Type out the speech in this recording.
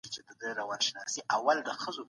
بد او رد یې اورېدله